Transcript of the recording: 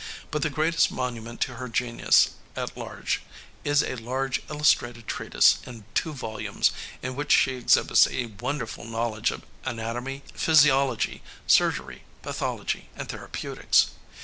But the greatest monument to her genius is a large illustrated treatise in two volumes, in which she exhibits a wonderful knowledge of anatomy, physiology, surgery, pathology and therapeutics.